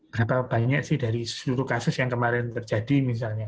berapa banyak sih dari seluruh kasus yang kemarin terjadi misalnya